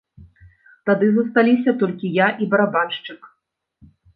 Тады засталіся толькі я і барабаншчык.